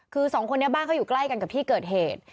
คือสองคนนี้บ้านเขาอยู่ใกล้กันกับที่เกิดเหตุ